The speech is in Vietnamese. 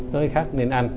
nơi khác nên ăn